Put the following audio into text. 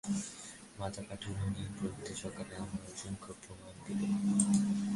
মাতাঠাকুরাণী প্রভৃতি সকলকে আমার অসংখ্য প্রণাম দিবে।